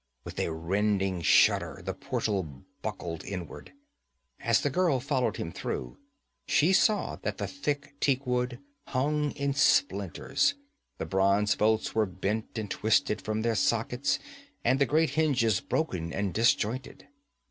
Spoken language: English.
With a rending shudder the portal buckled inward. As the girl followed him through, she saw that the thick teakwood hung in splinters, the bronze bolts were bent and twisted from their sockets, and the great hinges broken and disjointed.